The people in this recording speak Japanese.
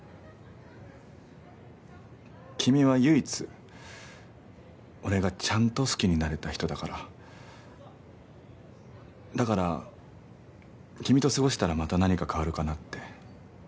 君は唯一俺がちゃんと好きになれた人だからだから君と過ごしたらまた何か変わるかなって。